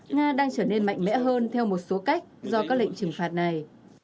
nga đang trở nên mạnh mẽ hơn theo một số cách do các lệnh trừng phạt này